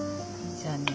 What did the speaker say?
じゃあね